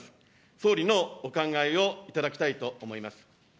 総理のお考えをいただきたいと思います。